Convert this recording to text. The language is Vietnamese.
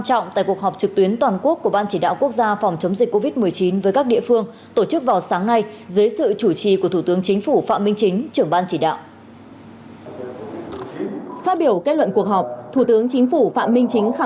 phát biểu kết luận cuộc họp thủ tướng chính phủ phạm minh chính khẳng định